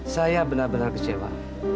saya benar benar kecewa